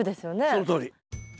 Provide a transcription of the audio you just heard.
そのとおり。